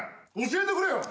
教えてくれよ！